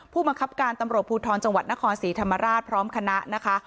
ผู้บังคับการตำรวจภูทรจังหวัดนครศรีธรรมราชพร้อมคณะนะคะ